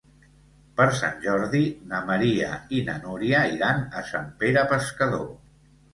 Per Sant Jordi na Maria i na Núria iran a Sant Pere Pescador.